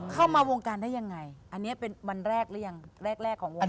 เข้ามาวงการได้ยังไงอันนี้เป็นวันแรกหรือยังแรกแรกของวงการ